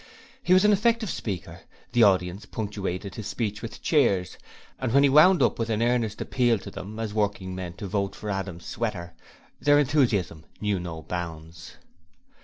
He was an effective speaker; the audience punctuated his speech with cheers, and when he wound up with an earnest appeal to them as working men to vote for Adam Sweater, their enthusiasm knew no bounds.